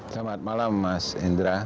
selamat malam mas indra